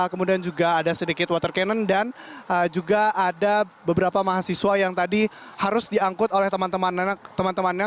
kemudian juga ada sedikit water cannon dan juga ada beberapa mahasiswa yang tadi harus diangkut oleh teman temannya